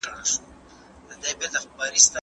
د دې نبات ګلونه ډېر ښایسته او د لیدلو وړ دي.